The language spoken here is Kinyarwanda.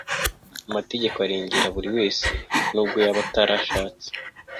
amategeko arengera buri wese nubwo yaba atarashatse